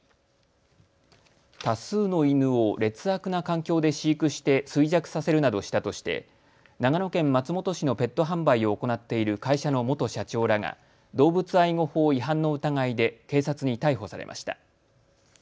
多数の犬を劣悪な環境で飼育して衰弱させるなどしたとして長野県松本市のペット販売を行っている会社の元社長らが動物愛護法違反の疑いで警察に逮捕されました。